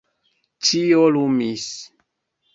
Ĉio lumis.